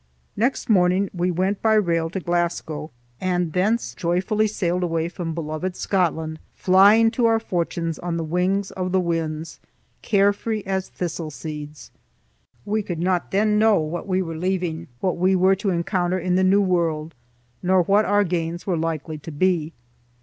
Next morning we went by rail to Glasgow and thence joyfully sailed away from beloved Scotland, flying to our fortunes on the wings of the winds, care free as thistle seeds. We could not then know what we were leaving, what we were to encounter in the New World, nor what our gains were likely to be.